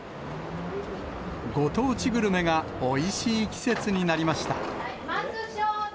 ご当地グルメがおいしい季節になりました。